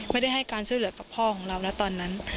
ไม่ได้ให้การช่วยเหลือกับพ่อของเราแล้วตอนนั้น